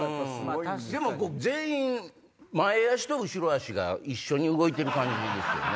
でも全員前脚と後ろ脚が一緒に動いてる感じですよね。